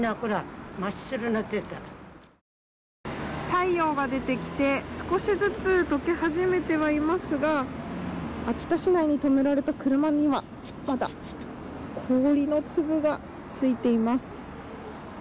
太陽が出てきて少しずつ解け始めてはいますが秋田市内に止められた車にはまだ氷の粒がついています。